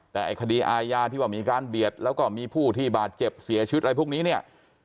แต่ไอ้คดีอาญาที่ว่ามีการเบียดแล้วก็มีผู้ที่บาดเจ็บเสียชีวิตอะไรพวกนี้เนี่ย